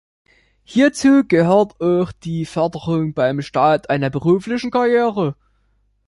Hierzu gehört auch die Förderung beim Start einer beruflichen Karriere.